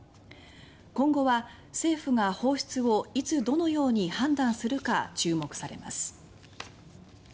今後は、政府が放出をいつ、どのように判断するか注目されます。